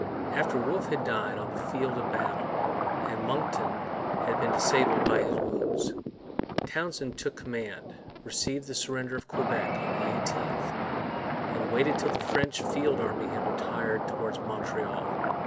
After Wolfe had died on the field of battle, and Monckton had been disabled by his wounds, Townshend took command, received the surrender of Quebec on the 18th, and waited till the French field army had retired towards Montreal.